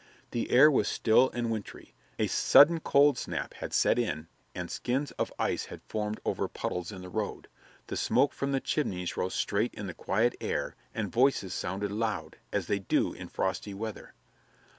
The air was still and wintry; a sudden cold snap had set in and skins of ice had formed over puddles in the road; the smoke from the chimneys rose straight in the quiet air and voices sounded loud, as they do in frosty weather.